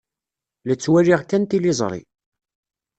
La ttwaliɣ kan tiliẓri.